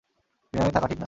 বিনয়ী থাকা ঠিক না।